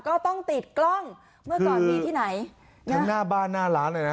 ก็ต้องติดกล้องเมื่อก่อนมีที่ไหนครับทั้งหน้าบ้านหน้าหลานไอ้อ่ะน่ะ